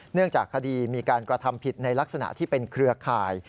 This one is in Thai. เนื่องจากคดีมีการกระทำผิดในลักษณะที่เป็นเครือข่าย